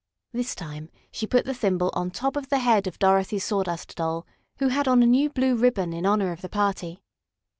This time she put the thimble on top of the head of Dorothy's Sawdust Doll, who had on a new blue ribbon in honor of the party.